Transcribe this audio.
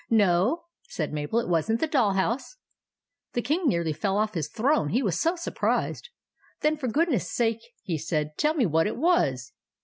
"No," said Mabel; "it wasn't the doll house." The King nearly fell off his throne, he was so surprised. " Then, for goodness' sake," he said, " tell me what it was."